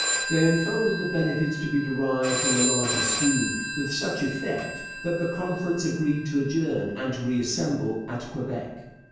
They unfolded the benefits to be derived from the larger scheme with such effect that the conference agreed to adjourn and to reassemble at Quebec.